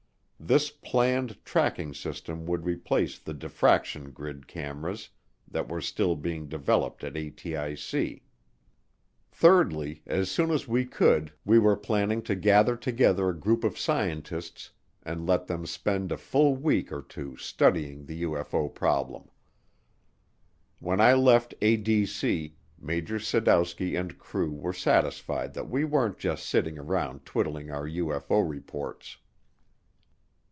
This planned tracking system would replace the defraction grid cameras that were still being developed at ATIC. Thirdly, as soon as we could we were planning to gather together a group of scientists and let them spend a full week or two studying the UFO problem. When I left ADC, Major Sadowski and crew were satisfied that we weren't just sitting around twiddling our UFO reports.